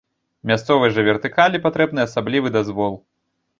Мясцовай жа вертыкалі патрэбны асаблівы дазвол.